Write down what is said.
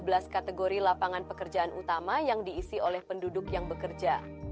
bps membagi tujuh belas kategori lapangan pekerjaan utama yang diisi oleh penduduk yang bekerja